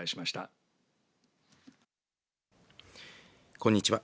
こんにちは。